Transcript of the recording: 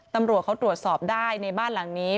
ตำรวจเขาตรวจสอบได้ในบ้านหลังนี้